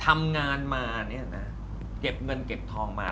ทำงานมาเก็บเงินเก็บทองมา